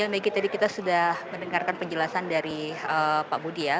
maggie tadi kita sudah mendengarkan penjelasan dari pak budi ya